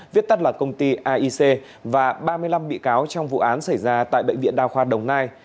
viết tắt là công ty aic và ba mươi năm bị cáo trong vụ án xảy ra tại bệnh viện đa khoa đồng nai